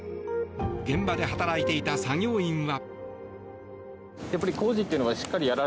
現場で働いていた作業員は。